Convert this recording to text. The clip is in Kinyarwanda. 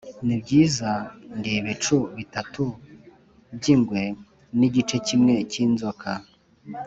nibyiza ndi ibice bitatu byingwe nigice kimwe cy'inzoka